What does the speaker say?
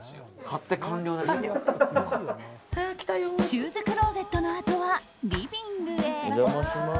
シューズクローゼットのあとはリビングへ。